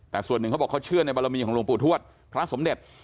แต่ส่วนหนึ่งเขาบอกเขาเชื่อในบารมีของหลวงปู่ทวดพระสมเด็จ